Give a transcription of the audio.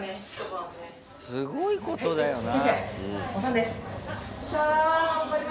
すごいことだよな。